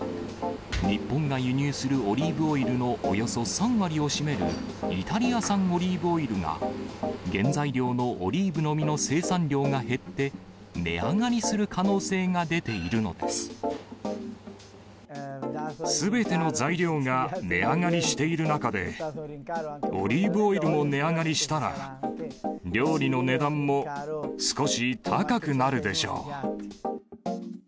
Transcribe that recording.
日本が輸入するオリーブオイルのおよそ３割を占めるイタリア産オリーブオイルが、原材料のオリーブの実の生産量が減って、値上がりする可能性が出すべての材料が値上がりしている中で、オリーブオイルも値上がりしたら、料理の値段も少し高くなるでしょう。